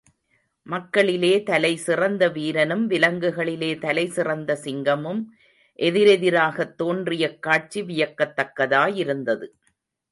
மக்களிலே தலைசிறந்த வீரனும், விலங்குகளிலே தலைசிறந்த சிங்கமும் எதிர் எதிராகத் தோன்றியக் காட்சி வியக்கத்தக்கதாயிருந்தது.